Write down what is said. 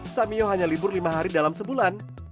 samio hanya libur lima hari dalam sebulan